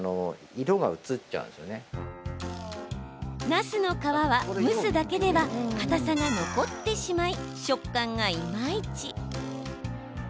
なすの皮は、蒸すだけではかたさが残ってしまい食感がいまいち。